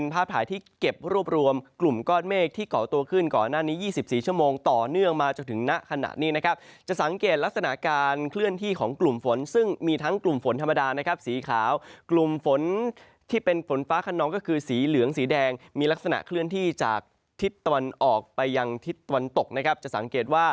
ภาพถ่ายที่เก็บรวบรวมกลุ่มก้อนเมฆที่เกาะตัวขึ้นก่อนหน้านี้๒๔ชั่วโมงต่อเนื่องมาจนถึงณขณะนี้นะครับจะสังเกตลักษณะการเคลื่อนที่ของกลุ่มฝนซึ่งมีทั้งกลุ่มฝนธรรมดานะครับสีขาวกลุ่มฝนที่เป็นฝนฟ้าขนองก็คือสีเหลืองสีแดงมีลักษณะเคลื่อนที่จากทิศตะวันออกไปยังทิศตะวันตกนะครับจะสังเกตว่า